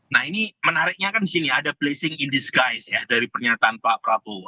nah ini menariknya kan di sini ada blessing in disguise ya dari pernyataan pak prabowo